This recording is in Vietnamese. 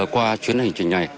qua chuyến hành trình này